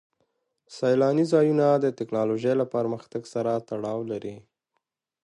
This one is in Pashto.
سیلاني ځایونه د تکنالوژۍ له پرمختګ سره تړاو لري.